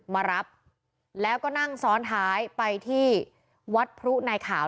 มารับแล้วก็นั่งซ้อนท้ายไปที่วัดพรุนายขาว